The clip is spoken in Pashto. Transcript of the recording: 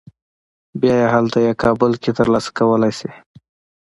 بیا یې هلته یا کابل کې تر لاسه کولی شې.